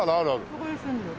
そこに住んでる。